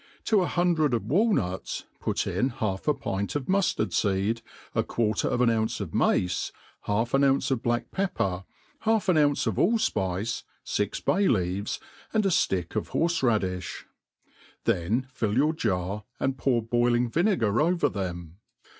To a hundred of walnuts put in half a pint of muftard feed, a quarter of an ounce of mace, half an ounce of black pepper, half art ounce of all fpice, fix bay.leaves, and a ftick of horie raddifll ; then fill your jar, and pour boiling vinegar over them.